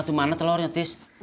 itu mana telurnya tis